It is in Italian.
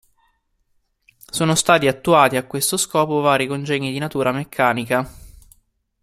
Sono stati attuati a questo scopo vari congegni di natura meccanica.